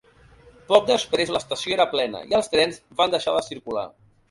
Poc després, l’estació era plena i els trens van deixar de circular.